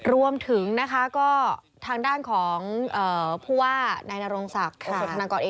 รวมถึงทางด้านของพู่ว่านายนโรงศักดิ์